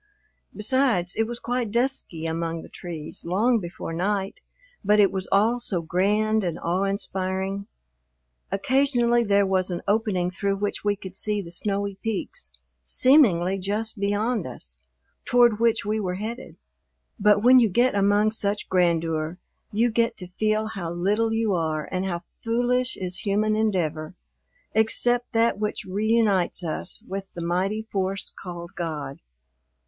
Besides, it was quite dusky among the trees long before night, but it was all so grand and awe inspiring. Occasionally there was an opening through which we could see the snowy peaks, seemingly just beyond us, toward which we were headed. But when you get among such grandeur you get to feel how little you are and how foolish is human endeavor, except that which reunites us with the mighty force called God.